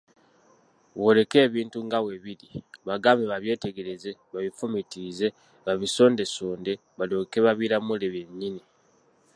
Bw'oleke ebintu nga bwe biri, bagambe babyetegereze, babifumitirize, babisondesonde, balyoke babiramule bennyini.